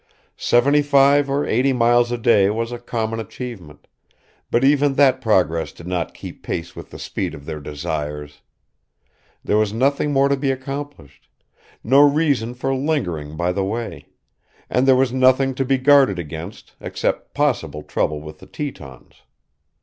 Seventy five or eighty miles a day was a common achievement; but even that progress did not keep pace with the speed of their desires. There was nothing more to be accomplished, no reason for lingering by the way; and there was nothing to be guarded against, except possible trouble with the Tetons.